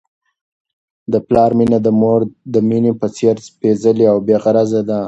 د پلار مینه د مور د مینې په څېر سپیڅلې او بې غرضه ده.